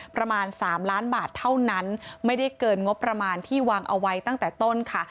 ประมาณ๓ล้านบาทเท่านั้นไม่ได้เกินงบประมาณที่วางเอาไว้ตั้งแต่ต้นค่ะ